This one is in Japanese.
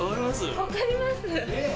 分かります。